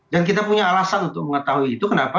dan kita punya alasan untuk mengetahui itu kenapa